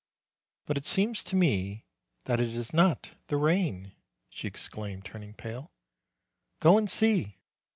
"But it seems to me that it is not the rain!" she exclaimed, turning pale. "Go and see